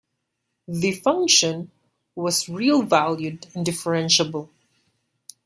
The function was real-valued and differentiable.